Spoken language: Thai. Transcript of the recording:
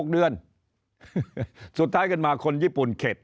๖เดือนสุดท้ายกันมาคนญี่ปุ่นเข็ด